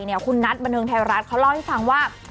คุณนัทบันเทิงไทยรัฐเขาเล่าให้ฟังว่า